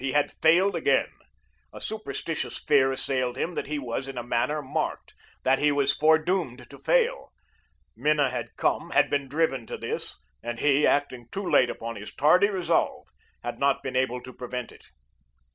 He had failed again. A superstitious fear assailed him that he was, in a manner, marked; that he was foredoomed to fail. Minna had come had been driven to this; and he, acting too late upon his tardy resolve, had not been able to prevent it.